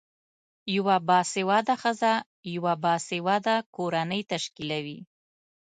یوه باسیواده خځه یوه باسیواده کورنۍ تشکلوی